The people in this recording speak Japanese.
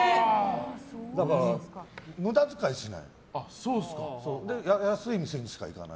だから無駄遣いしない。